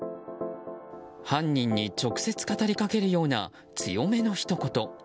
犯人に直接語り掛けるような強めのひと言。